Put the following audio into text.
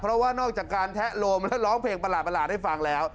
เพราะว่านอกจากการแทะโลมแล้วร้องเพลงประหลาดให้ฟังแล้ว